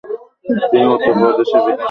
তিনি উত্তর প্রদেশ বিধানসভার একজন সদস্য।